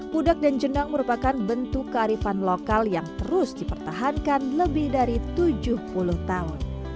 pudak dan jenang merupakan bentuk kearifan lokal yang terus dipertahankan lebih dari tujuh puluh tahun